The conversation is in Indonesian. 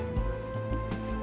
saya masih mau kalau disuruh suruh